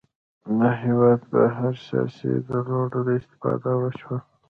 له هېواده بهر سیاسي ډلو استفاده وشوه